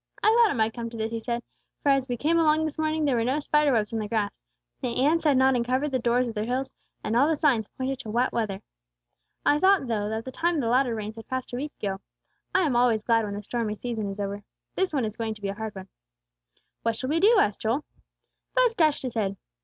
"I thought it might come to this," he said; "for as we came along this morning there were no spider webs on the grass; the ants had not uncovered the doors of their hills; and all the signs pointed to wet weather. I thought though, that the time of the latter rains had passed a week ago. I am always glad when the stormy season is over. This one is going to be a hard one." "What shall we do?" asked Joel. Buz scratched his head.